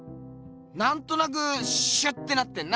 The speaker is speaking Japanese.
なんとなくシュッてなってんな。